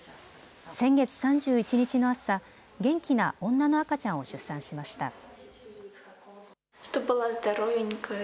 先月３１日の朝、元気な女の赤ちゃんを出産しました。